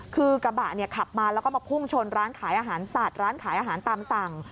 คือกระบะเนี่ยขับมาแล้วก็มาพุ่งชนร้านขายอาหารสัตว์ร้านขายอาหารตามสั่ง